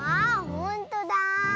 ほんとだ。